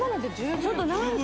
ちょっと何か